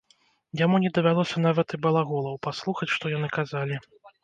Яму не давялося нават і балаголаў паслухаць, што яны казалі.